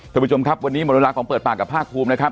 ท่านผู้ชมครับวันนี้หมดเวลาของเปิดปากกับภาคภูมินะครับ